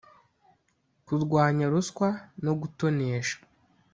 Kurwanya ruswa no gutonesha